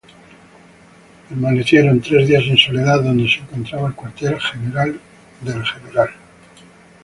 Permanecieron tres días en Soledad, donde se encontraba el Cuartel General del Gral.